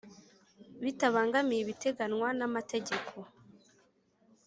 Bitabangamiye ibiteganywa n amategeko